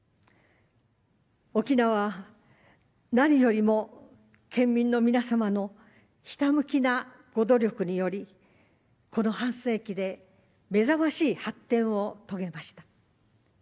沖縄は、何よりも県民の皆様のひたむきな御努力によりこの半世紀で目覚ましい発展を遂げました。